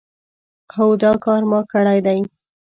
هو دا کار ما کړی دی.